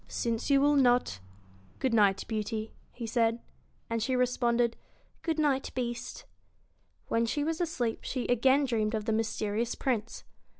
BEAST < Since you will not good night, Beauty,' he said ; and she responded : 'good night, Beast.' When she was asleep she again dreamed of the mysterious Prince.